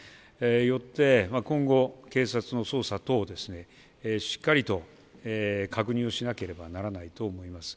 よって今後、警察の捜査等をしっかりと確認をしなければならないと思います。